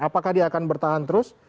apakah dia akan bertahan terus